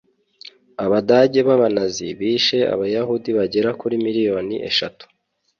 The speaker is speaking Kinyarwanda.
abadage b’abanazi bishe abayahudi bagera kuri miliyoni eshatu